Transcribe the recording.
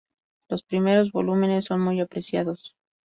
Los primeros volúmenes son muy apreciados.